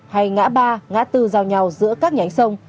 hay ngã ba ngã tư giao nhau giữa các nhánh sông